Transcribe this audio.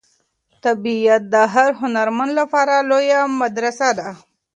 طبیعت د هر هنرمند لپاره لویه مدرسه ده.